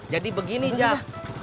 jadi begini jack